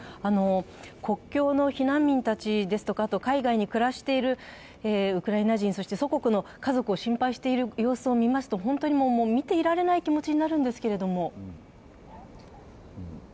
国境の避難民たちとか海外に暮らしているウクライナ人、祖国の家族を心配している様子を見ますと本当に見ていられない気持ちになるんですけど。